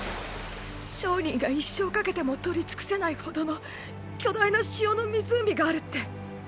商人が一生かけても取り尽くせないほどの巨大な塩の湖があるって。